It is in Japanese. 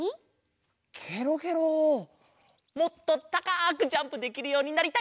もっとたかくジャンプできるようになりたい。